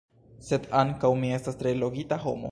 sed ankaŭ mi estas tre logika homo